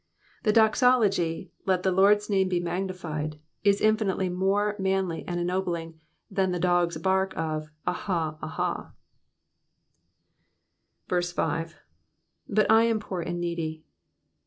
The doxology, Let the Lord's name be magnified,*' is infinitely more manly and ennobling than the dog's bark of ^^ Aha, aha.*' 5. *^^But I am pooi' and needy.'